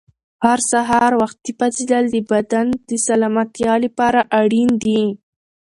هر سهار وختي پاڅېدل د بدن د سلامتیا لپاره اړین دي.